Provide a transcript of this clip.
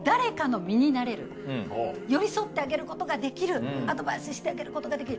寄り添ってあげることができるアドバイスしてあげることができる。